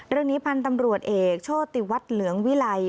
เรื่องนี้พันธุ์ตำรวจเอกโชติวัฒน์เหลืองวิลัย